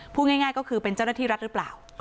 พูดง่ายก็คือเป็นเจ้าหน้าที่รัฐหรือเปล่า